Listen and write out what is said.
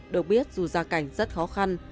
được biết dù ra cảnh rất khó khăn